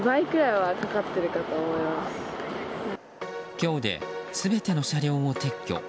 今日で全ての車両を撤去。